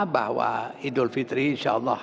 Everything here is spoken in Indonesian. bahwa idul fitri insyaallah